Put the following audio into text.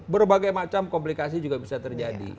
berbagai macam komplikasi juga bisa terjadi